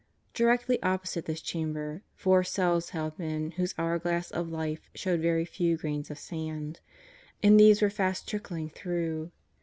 Directly opposite this chamber, four cells held men whose hourglass of life showed very few grains of sand and these were fast trickling through.